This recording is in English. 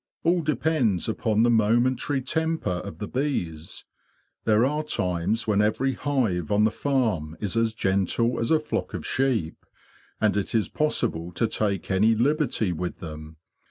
All depends upon the momentary temper of the bees. There are times when every hive on the farm is as gentle as a flock of sheep, and it is possible to take any liberty with them.